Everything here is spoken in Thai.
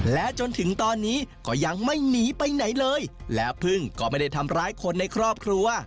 และจนถึงตอนนี้ก็ยังไม่หนีไปไหนเลยแล้วพึ่งก็ไม่ได้ทำร้ายคนในครอบครัว